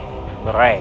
memang begitu raden